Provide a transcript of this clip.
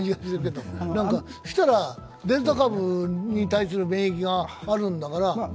そうしたらデルタ株に対する免疫があるんだから。